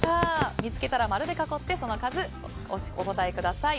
見つけたら○で囲ってその数をお答えください。